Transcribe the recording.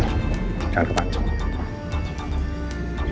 gak ada panjang